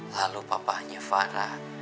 lalu papahnya farah